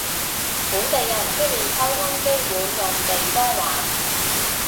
本地人出面溝通基本用地方話